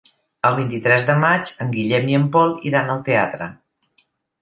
El vint-i-tres de maig en Guillem i en Pol iran al teatre.